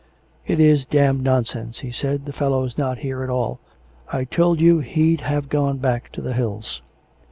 "It is damned nonsense," he said; "the fellow's not here at all. I told you he'd have gone back to the hills."